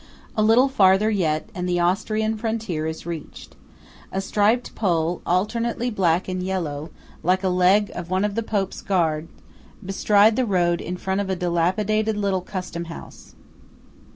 A little farther yet, and the Austrian frontier is reached. A striped pole, alternately black and yellow, like a leg of one of the Pope's guard, bestrides the road in front of a dilapidated little customhouse.